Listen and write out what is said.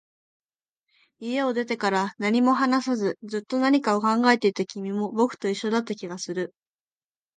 家を出てから、何も話さず、ずっと何かを考えていた君も、僕と一緒だった気がする